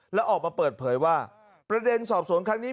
แล้วออกมาเปิดเผยว่าประเด็นสอบสวนครั้งนี้